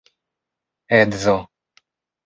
edzo